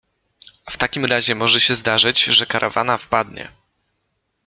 A w takim razie może się zdarzyć, że karawana wpadnie.